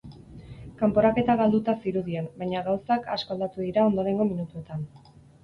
Kanporaketa galduta zirudien, baina gauzak asko aldatu dira ondorengo minutuetan.